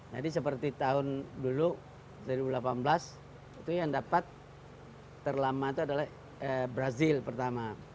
jadi seperti tahun dulu dua ribu delapan belas itu yang dapat terlama itu adalah brazil pertama